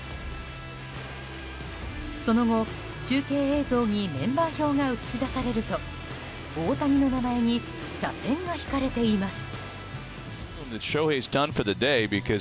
その後、中継映像にメンバー表が映し出されると大谷の名前に斜線が引かれています。